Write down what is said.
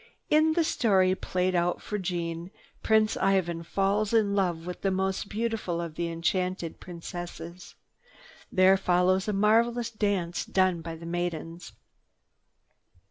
In the story played out for Jeanne, Prince Ivan falls in love with the most beautiful of the enchanted Princesses. There follows a marvelous dance done by the maidens.